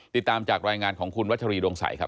ติดตามจากรายงานของคุณวัชรีดวงใสครับ